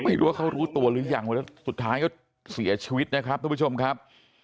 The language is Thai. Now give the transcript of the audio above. ไม่รู้ว่าเขารู้ตัวหรือยังแล้วสุดท้ายก็เสียชีวิตนะครับทุกผู้ชมครับ